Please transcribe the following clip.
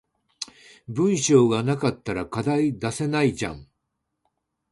文章が無かったら課題出せないじゃん